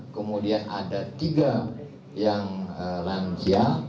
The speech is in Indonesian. kemudian ada tiga yang lansia